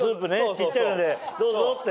小っちゃいのでどうぞって。